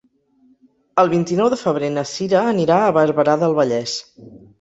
El vint-i-nou de febrer na Cira anirà a Barberà del Vallès.